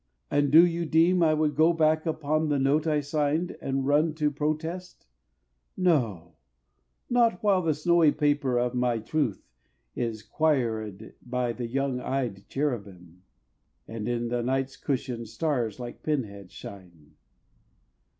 And do you deem I would go back upon The note I signed, and run to protest?—no— Not while the snowy paper of my truth Is quiréd by the young eyed cherubim, And in Night's cushion stars like pin heads shine."